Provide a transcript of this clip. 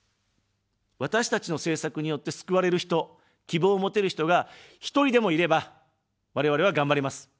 私たちの政策によって救われる人、希望を持てる人が一人でもいれば、我々はがんばれます。